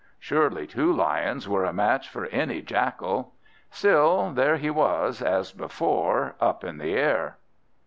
Surely two Lions were a match for any Jackal! Still, there he was, as before, up in the air.